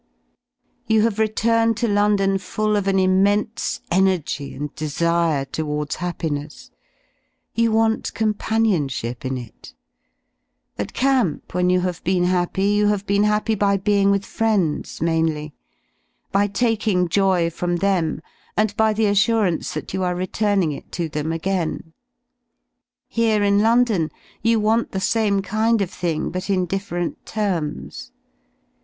You have returned to London full of an immense energy anddesiretowards happiness. You want companion ship in it. At camp when you have been happy you have been happy by being with friends mainly, by taking joy } from them and by the assurance that you are returning it to y^hem again. Here in London, you want the same kind of Y« thing but in different terms.